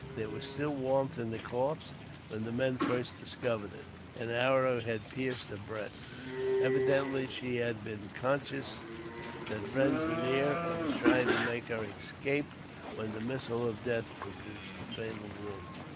There was still warmth in the corpse when the men first discovered it. An arrow had pierced her breast. Evidently she had been conscious that friends were near, and was trying to make her escape when the missile of death produced the fatal wound.